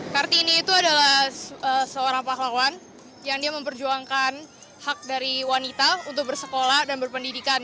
kartini itu adalah seorang pahlawan yang dia memperjuangkan hak dari wanita untuk bersekolah dan berpendidikan